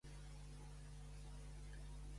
A continuació jugà una temporada al Real Betis.